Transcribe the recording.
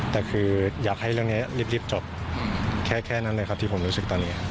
แต่คืออยากให้เรื่องนี้รีบจบแค่นั้นเลยครับที่ผมรู้สึกตอนนี้